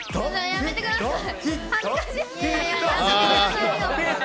やめてください。